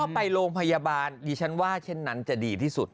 ถ้าไปโรงพยาบาลดิฉันว่าเช่นนั้นจะดีที่สุด